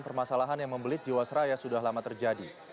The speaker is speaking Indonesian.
permasalahan yang membelit jiwasraya sudah lama terjadi